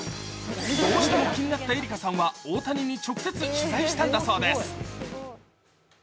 どうしても気になったエリカさんは大谷に直接、取材したんだそうです